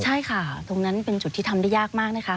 ใช่ค่ะตรงนั้นเป็นจุดที่ทำได้ยากมากนะคะ